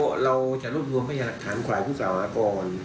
แล้วเราจะรบรวมให้รักฐานก่ายผู้ข่าวมาก่อน